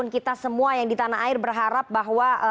kita semua yang di tanah air berharap bahwa